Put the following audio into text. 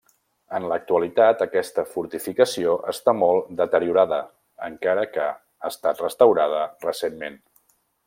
En l'actualitat aquesta fortificació està molt deteriorada encara que ha estat restaurada recentment.